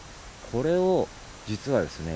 これを実はですね